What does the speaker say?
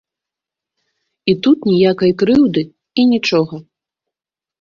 І тут ніякай крыўды і нічога.